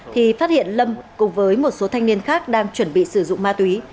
thì phát hiện lâm cùng với một số thanh niên khác đang chuẩn bị sử dụng ma túy